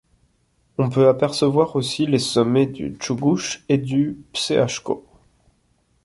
On peut apercevoir aussi les sommets du Tchougouch et du Pseachkho.